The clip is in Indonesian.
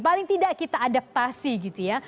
paling tidak kita adaptasi gitu ya